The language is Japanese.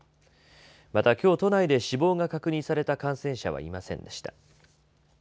また、きょう都内で死亡が確認された感染者はいませんでした。